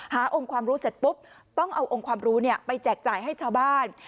องค์ความรู้เสร็จปุ๊บต้องเอาองค์ความรู้ไปแจกจ่ายให้ชาวบ้าน